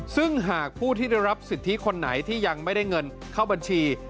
ซึ่งหากผู้ที่ได้รับสิทธิคนไหนที่ยังไม่ได้เงินเข้าบัญชี